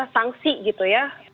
sanksi gitu ya